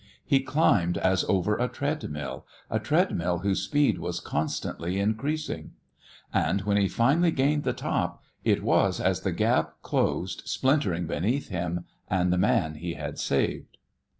He climbed as over a treadmill, a treadmill whose speed was constantly increasing. And when he finally gained the top, it was as the gap closed splintering beneath him and the man he had saved.